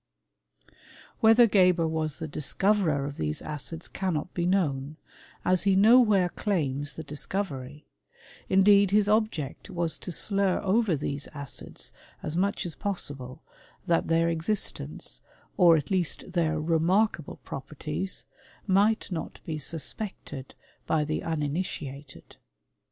Whether Geber was the discoverer of theai'' acids cannot be known, as he nowhere claims the disV covery : indeed his object was to slur over these acid^ as much as possible, that their existence, or at leaW their remarkable properties, might not be suspected IJ^ the uninitiated.